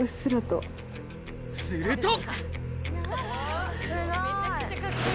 すると！